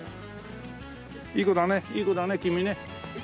いい子だねいい子だね君ね。